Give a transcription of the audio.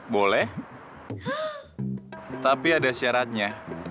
boleh tapi ada syaratnya